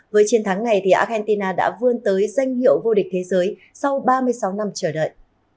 với chiến thắng này argentina đã vươn tới danh hiệu vô địch thế giới sau ba mươi sáu năm chờ đợi